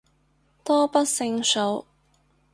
多不勝數